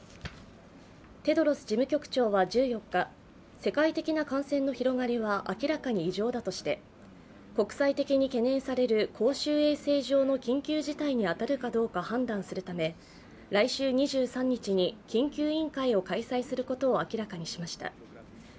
テドロス事務局長は１４日、世界的な感染の広がりは明らかに異常だとして、国際的に懸念される公衆衛生上の緊急事態に当たるかどうか判断するため来週２３日に緊急委員会を開催することを明らかにしました。